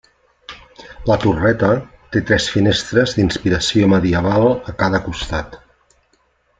La torreta té tres finestres d'inspiració medievals a cada costat.